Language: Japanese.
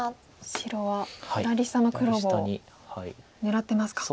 白は左下の黒を狙ってますか。